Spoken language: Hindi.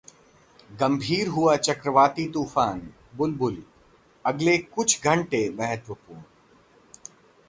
गंभीर हुआ चक्रवाती तूफान 'बुलबुल', अगले कुछ घंटे महत्वपूर्ण